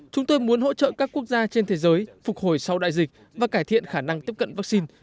chúng tôi muốn hỗ trợ các quốc gia trên thế giới phục hồi sau đại dịch và cải thiện khả năng tiếp cận vaccine